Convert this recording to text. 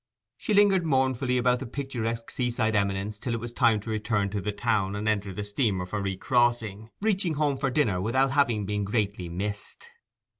She lingered mournfully about the picturesque seaside eminence till it was time to return to the town and enter the steamer for recrossing, reaching home for dinner without having been greatly missed.